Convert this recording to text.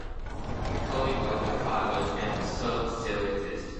Recordings of the pilot episode still exist.